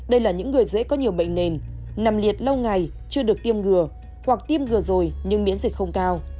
đây là những người dễ có nhiều bệnh nền nằm liệt lâu ngày chưa được tiêm ngừa hoặc tiêm vừa rồi nhưng miễn dịch không cao